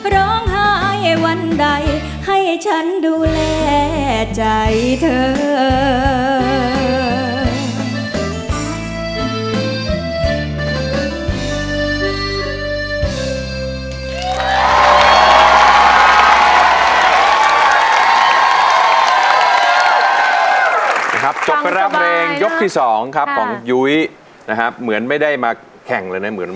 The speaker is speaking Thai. ร้องไห้วันใดให้ฉันดูแลใจเธอ